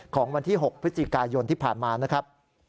ของวันที่๖พฤศจิกายนที่ผ่านมานะครับ